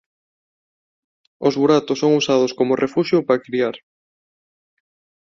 Os buratos son usados como refuxio ou para criar.